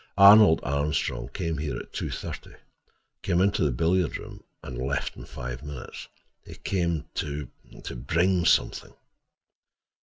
Arnold Armstrong came here at two thirty—came into the billiard room and left in five minutes. He came to bring—something."